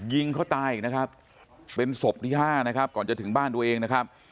ยิงเขาตายอีกนะครับเป็นศพที่ห้านะครับก่อนจะถึงบ้านตัวเองนะครับ